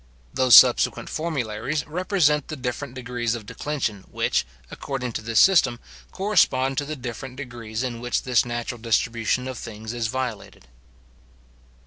Those subsequent formularies represent the different degrees of declension which, according to this system, correspond to the different degrees in which this natural distribution of things is violated.